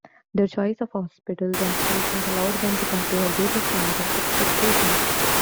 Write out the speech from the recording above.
Their choice of hospitals and stations allowed them to compare various kinds of expectations.